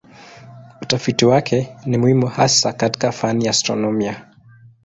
Utafiti wake ni muhimu hasa katika fani ya astronomia.